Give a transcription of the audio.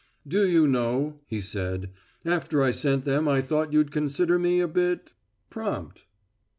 "Do you know," he said, "after I sent them I thought you'd consider me a bit prompt."